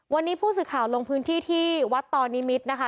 วันนี้ผู้สื่อข่าวลงพื้นที่ที่วัดตอนนิมิตรนะคะ